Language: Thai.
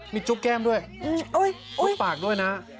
มีจุ๊บแก้มด้วยอุ๊ยปากด้วยนะ